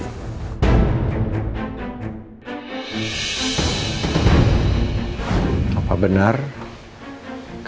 itulah pengetahuan oleh papa